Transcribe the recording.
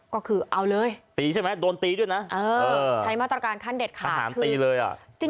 ก็คือเอาเลยตีใช่ไหมโดนตีด้วยนะเออใช้มาตรการขั้นเด็ดขาดอาหารตีเลยอ่ะ